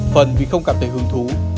phần vì không cảm thấy hương thú